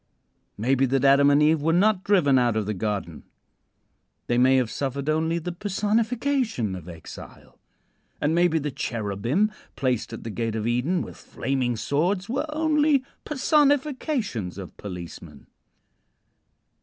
Maybe that Adam and Eve were not driven out of the Garden; they may have suffered only the personification of exile. And maybe the cherubim placed at the gate of Eden, with flaming swords, were only personifications of policemen.